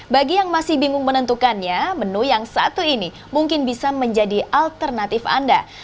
bagi yang masih bingung menentukannya menu yang satu ini mungkin bisa menjadi alternatif anda